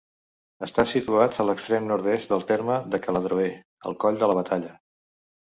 Està situat a l'extrem nord-est del terme de Caladroer, al Coll de la Batalla.